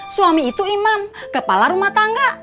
suami itu imam kepala rumah tangga